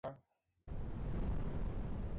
Cuenta con el sencillo ""Mi Corazón Está Muerto"".